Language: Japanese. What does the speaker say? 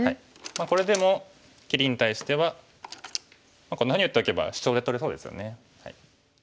まあこれでも切りに対してはこんなふうに打っておけばシチョウで取れそうですよね。